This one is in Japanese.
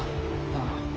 ああ。